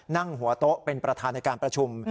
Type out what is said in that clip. นั่งหัวโต๊ะเป็นประธานในการประชุม